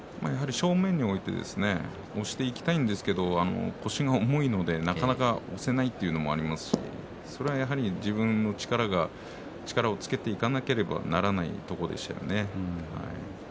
正面に置いて押していきたいんですけど腰が重いのでなかなか押せないというのもありますし、それは自分の力をつけていかなければならないところでしたよね。